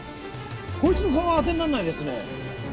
こいつの勘は当てになんないですね。